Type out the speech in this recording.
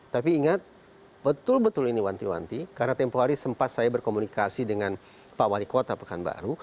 tapi ingat betul betul ini wanti wanti karena tempoh hari sempat saya berkomunikasi dengan pak wali kota pekanbaru